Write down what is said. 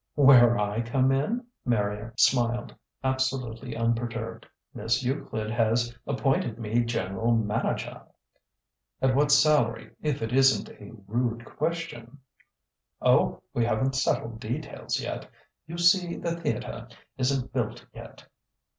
"Where I come in?" Marrier smiled, absolutely unperturbed. "Miss Euclid has appointed me general manajah." "At what salary, if it isn't a rude question?" "Oh! We haven't settled details yet. You see the theatre isn't built yet."